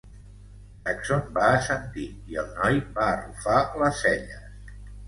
Saxon va assentir, i el noi va arrufar les celles.